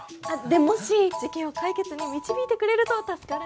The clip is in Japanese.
でもし事件を解決に導いてくれると助かるんですけど。